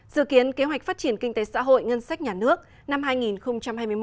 dự kiến kế hoạch phát triển kinh tế xã hội ngân sách nhà nước năm hai nghìn hai mươi một